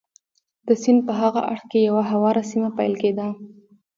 د سیند په هاغه اړخ کې یوه هواره سیمه پیل کېده.